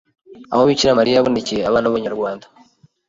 aho Bikira Mariya yabonekeye abana b’abanyarwanda